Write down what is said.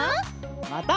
また。